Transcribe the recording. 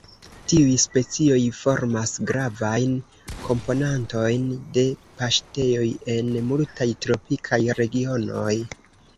Tiuj specioj formas gravajn komponantojn de paŝtejoj en multaj tropikaj regionoj.